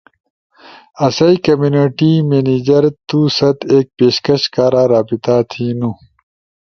آسئی کمیونٹی منیجر تو ست ایک پیشکش کارا رابطہ تھینو۔